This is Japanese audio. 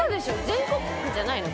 全国区じゃないの？